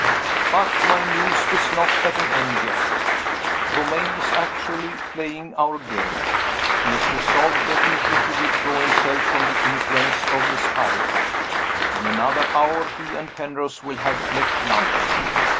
But my news is not at an end yet. Romayne is actually playing our game he has resolved definitely to withdraw himself from the influence of Miss Eyrecourt! In another hour he and Penrose will have left London.